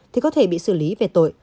thì có thể bị xử lý về tội